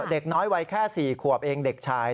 เด็กน้อยวัยแค่๔ขวบเองเด็กชาย